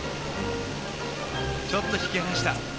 ちょっと引き離した。